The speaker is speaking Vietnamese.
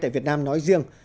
tại việt nam nói riêng